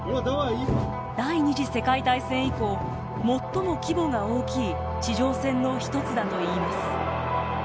第２次世界大戦以降最も規模が大きい地上戦の一つだといいます。